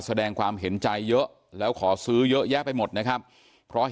แสดงความเห็นใจเยอะแล้วขอซื้อเยอะแยะไปหมดนะครับเพราะ